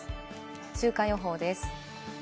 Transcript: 週間予報です。